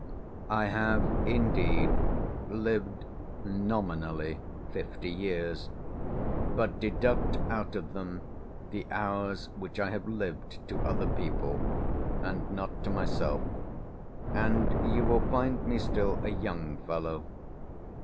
I have indeed lived nominally fifty years, but deduct out of them the hours which I have lived to other people, and not to myself, and you will find me still a young fellow.